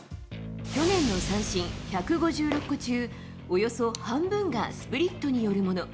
去年の三振１５６個中、およそ半分がスプリットによるもの。